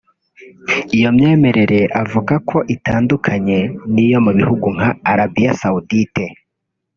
Iyo myemerere avuga ko idatandukanye n’iyo mu bihugu nka Arabie Saoudite